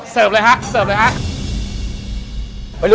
เสิร์ฟเลยฮะ